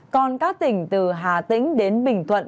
còn các tỉnh từ hà tĩnh đến bình thuận